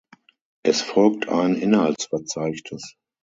Es folgt ein Inhaltsverzeichnis.